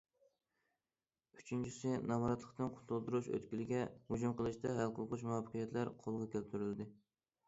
ئۈچىنچىسى، نامراتلىقتىن قۇتۇلدۇرۇش ئۆتكىلىگە ھۇجۇم قىلىشتا ھەل قىلغۇچ مۇۋەپپەقىيەتلەر قولغا كەلتۈرۈلدى.